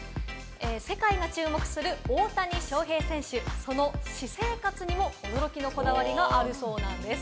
世界が注目する大谷翔平選手、その私生活にも驚きのこだわりがあるそうなんです。